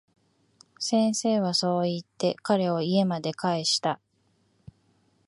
先生はそう言って、彼を家まで帰した。